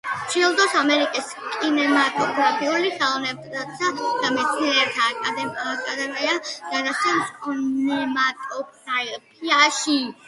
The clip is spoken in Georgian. ჯილდოს ამერიკის კინემატოგრაფიულ ხელოვნებათა და მეცნიერებათა აკადემია გადასცემს კინემატოგრაფიაში მომუშავე მსახიობ ქალბატონებს.